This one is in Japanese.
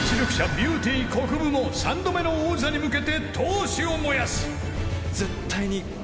ビューティーこくぶも３度目の王座に向けて闘志を燃やす］